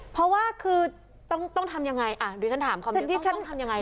เพราะว่าคือต้องทำยังไงดิฉันถามความดิฉันต้องทำยังไงหรอ